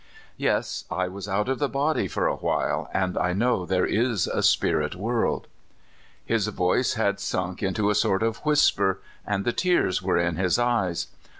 Yes, I was out of the body for a little, and I know there is a spirit world." His voice had sunk into a sort of whisper, and the tears were in his eyes.